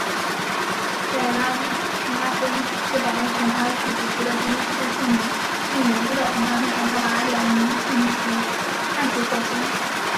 在拉芬斯堡请他去主持的第一次对女巫的审判会上他把两名妇女判处火刑。